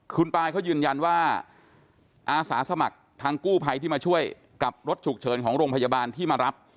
คุณปายเขายืนยันว่าอาสาสมัครทางกู้ภัยที่มาช่วยกับรถฉุกเฉินของโรงพยาบาลที่มารับ